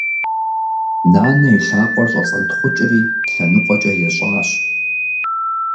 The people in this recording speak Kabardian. Нанэ и лъакъуэр щӏэцӏэнтхъукӏри лъэныкъуэкӏэ ещӏащ.